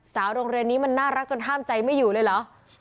โรงเรียนนี้มันน่ารักจนห้ามใจไม่อยู่เลยเหรอ